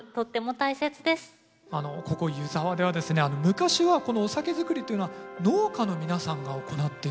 昔はこのお酒造りというのは農家の皆さんが行っていたんです。